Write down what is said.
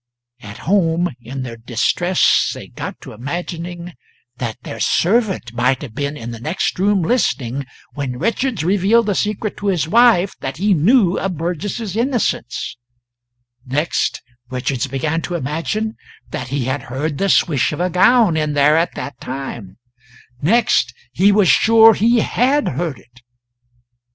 At home, in their distress they got to imagining that their servant might have been in the next room listening when Richards revealed the secret to his wife that he knew of Burgess's innocence; next Richards began to imagine that he had heard the swish of a gown in there at that time; next, he was sure he had heard it.